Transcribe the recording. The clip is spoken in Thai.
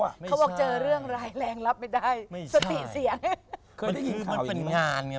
เขาบอกเจอเรื่องไรแรงลับไม่ได้สติเสีย